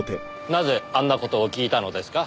なぜあんな事を聞いたのですか？